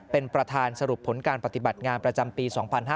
เป็นประธานสรุปผลการปฏิบัติงานประจำปี๒๕๕๙